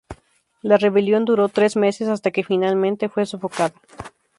La rebelión duró tres meses hasta que finalmente fue sofocada.